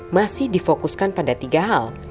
masih difokuskan pada tiga hal